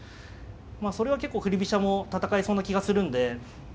それは結構振り飛車も戦えそうな気がするんで。